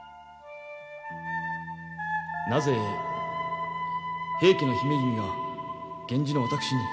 なぜ平家の姫君が源氏の私に？